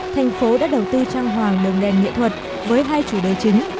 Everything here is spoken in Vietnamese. thành phố đã đầu tư trang hoàng đường đèn nghệ thuật với hai chủ đề chính